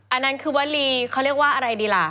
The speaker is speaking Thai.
อันนั้นคือวลีเขาเรียกว่าอะไรดีล่ะ